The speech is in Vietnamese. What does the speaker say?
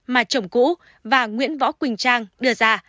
mà chồng cũ và nguyễn võ quỳnh trang đưa ra